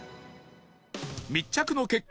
密着の結果